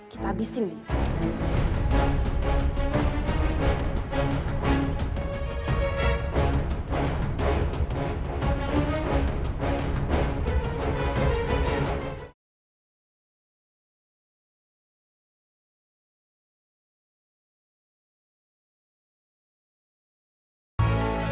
kita abisin dia